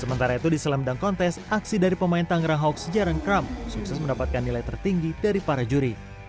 sementara itu di slam dunk contest aksi dari pemain tangerang hawks jaran kramp sukses mendapatkan nilai tertinggi dari para juri